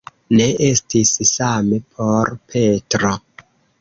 Ne estis same por Petro.